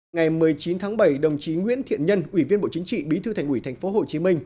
ngày một mươi chín tháng bảy đồng chí nguyễn thiện nhân ủy viên bộ chính trị bí thư thành ủy tp hcm